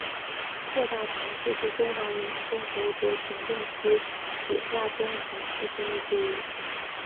特大城市是中华人民共和国行政区划体系中城市分类之一。